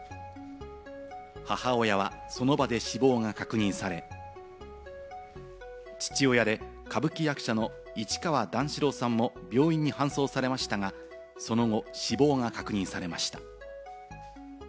母親はその場で死亡が確認され、父親で歌舞伎役者の市川段四郎さんも病院に搬送されましたがその後、死亡が確認されました。